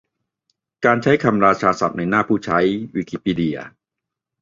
การใช้คำราชาศัพท์ในหน้าผู้ใช้ วิกิพีเดีย